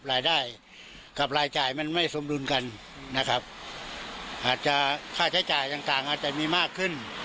รายได้กับรายจ่ายมันไม่สมดุลกันนะครับอาจจะค่าใช้จ่ายต่างต่างอาจจะมีมากขึ้น